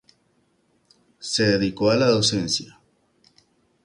Se dedicó a la docencia.